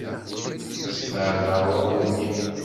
Ssebɛed aɣrum-nni.